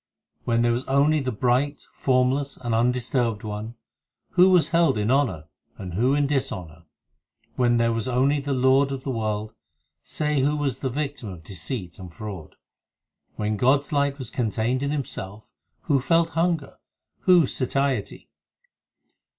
When there was only the bright, formless, and undis turbed One, Who was held in honour and who in dishonour ? When there was only the Lord of the world, Say who was the victim of deceit and fraud. When God s light was contained in Himself, Who felt hunger ? who satiety